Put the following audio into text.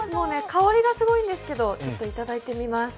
香りがすごいんですけど、いただいてみます。